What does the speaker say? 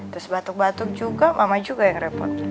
terus batuk batuk juga mama juga yang repot